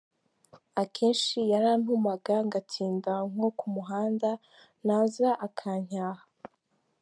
Akenshi yarantumaga ngatinda nko ku muhanda, naza akancyaha.